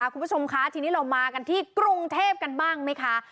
คุณผู้ชมคะทีนี้เรามากันที่กรุงเทพกันบ้างไหมคะ